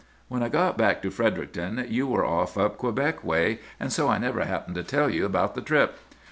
When I got back to Fredericton you were off up Quebec way, and so I never happened to tell you about the trip.